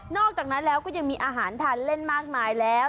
อกจากนั้นแล้วก็ยังมีอาหารทานเล่นมากมายแล้ว